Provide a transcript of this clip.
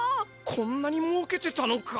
こんなにもうけてたのか。